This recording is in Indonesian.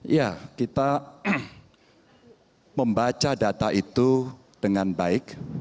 ya kita membaca data itu dengan baik